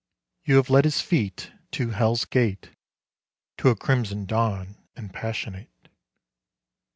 You have led his feet to hell's gate To a crimson dawn and passionate.